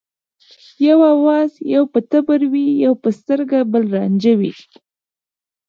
یو آواز یو به ټبر وي یو به سترګه بل رانجه وي